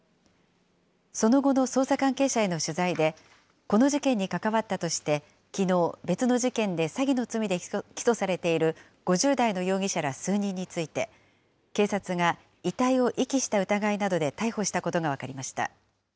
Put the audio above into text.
その後の捜査関係者への取材で、この事件に関わったとして、きのう、別の事件で詐欺の罪で起訴されている５０代の容疑者ら数人について、警察が遺体を遺棄した疑いなどで逮捕したことが分かりました。